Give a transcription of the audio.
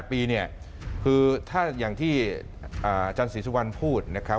๘ปีคือถ้าอย่างที่อาจารย์ศรีสวรรค์พูดนะครับ